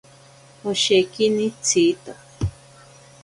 Oshekini tsiito.